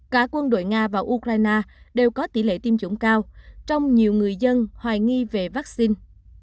cả quân đội nga và ukraine đều có tỷ lệ tiêm chủng cao trong nhiều người dân hoài nghi về vaccine